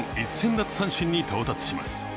奪三振に到達します。